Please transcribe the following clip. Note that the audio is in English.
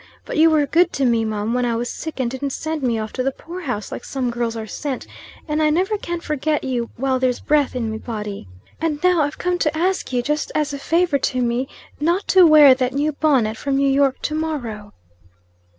But yez were good to me, mum, when I was sick and didn't send me off to the poor house like some girls are sent; and I never can forget yez while there's breath in me body. And now I've come to ask yez, just as a favor to me, not to wear that new bonnet from New York, to morrow."